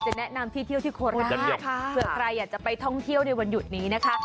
แนะนำที่เที่ยวที่โคราชเผื่อใครอยากจะไปท่องเที่ยวในวันหยุดนี้นะคะ